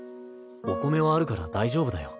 お米はあるから大丈夫だよ。